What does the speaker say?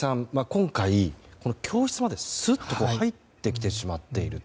今回、教室まですっと入ってきてしまっている。